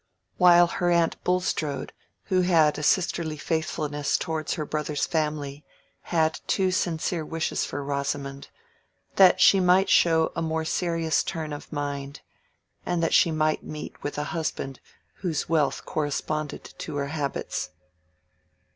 While her aunt Bulstrode, who had a sisterly faithfulness towards her brother's family, had two sincere wishes for Rosamond—that she might show a more serious turn of mind, and that she might meet with a husband whose wealth corresponded to her habits.